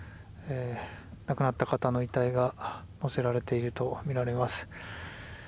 亡くなった方の遺体が乗せられているとみられます。